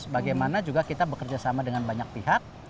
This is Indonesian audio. bagaimana juga kita bekerja sama dengan banyak pihak